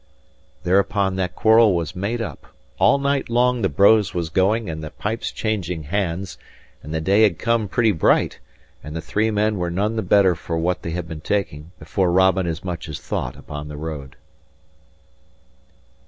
Thereupon that quarrel was made up; all night long the brose was going and the pipes changing hands; and the day had come pretty bright, and the three men were none the better for what they had been taking, before Robin as much as thought upon the road.